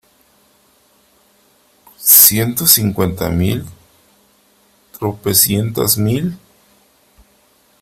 ¿ ciento cincuenta mil ?¿ tropecientas mil ?